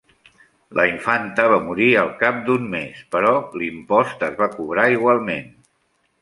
La infanta va morir al cap d'un mes, però l'impost es va cobrar igualment.